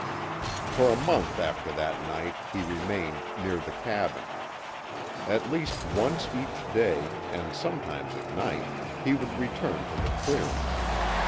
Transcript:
For a month after that night he remained near the cabin. At least once each day, and sometimes at night, he would return to the clearing.